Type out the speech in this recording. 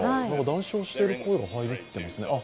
談笑している声が入っていますね。